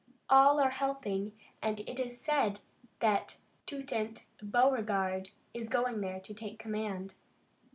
All are helping and it is said that Toutant Beauregard is going there to take command."